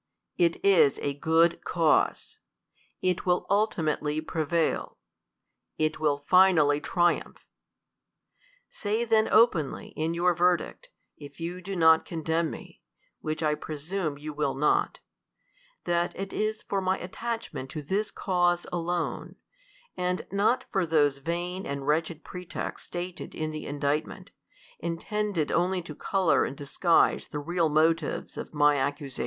It is a good cause. It will ultimately prevail. It will finally tri umph. Say then openly, in your verdict, if you do con demn me, which I presume you will not, that it is for my attachment to this cause alone, and not for those vain and wretched pretexts stated in the indictment, intended on ly to colour and disguise the real motives of my accusa tion.